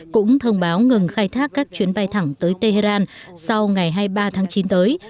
cũng thông báo ngừng khai thác các chuyến bay thẳng tới tehran sau ngày hai mươi ba tháng chín tới